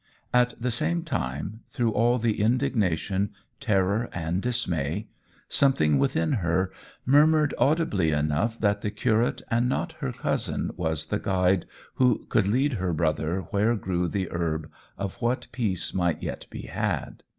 At the same time, through all the indignation, terror, and dismay, something within her murmured audibly enough that the curate and not her cousin was the guide who could lead her brother where grew the herb of what peace might yet be had.